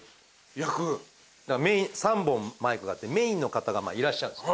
３本マイクがあってメインの方がいらっしゃるんです。